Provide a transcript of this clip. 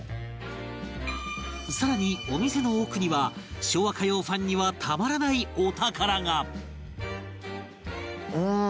更にお店の奥には昭和歌謡ファンにはたまらないお宝がうわー！